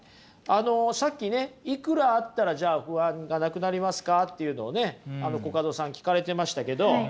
あのさっきねいくらあったらじゃあ不安がなくなりますかっていうのをねコカドさん聞かれてましたけど。